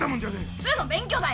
普通の勉強だよ！